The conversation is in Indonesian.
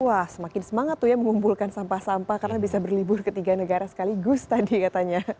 wah semakin semangat tuh ya mengumpulkan sampah sampah karena bisa berlibur ke tiga negara sekaligus tadi katanya